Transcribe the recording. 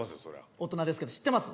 大人ですけど知ってます？